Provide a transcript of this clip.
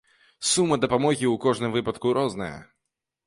Сума дапамогі ў кожным выпадку розная.